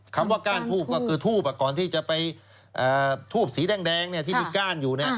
คำว่าก้านทูบก็คือทูบก่อนที่จะไปทูบสีแดงที่มีก้านอยู่